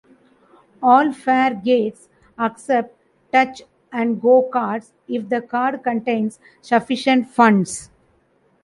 All fare gates accept Touch 'n Go cards if the card contains sufficient funds.